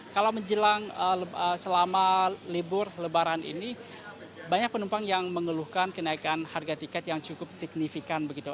kalau menjelang selama libur lebaran ini banyak penumpang yang mengeluhkan kenaikan harga tiket yang cukup signifikan begitu